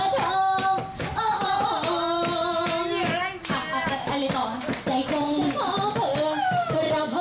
ดูคลิปค่ะ